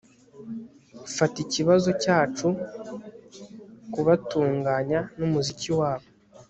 fata ikibazo cyacu kubatunganya numuziki wabo